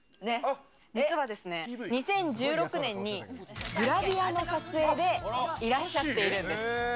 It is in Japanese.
実は２０１６年に、グラビアの撮影でいらっしゃっているんです。